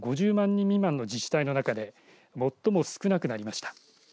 人未満の自治体の中で最も少なくなりました。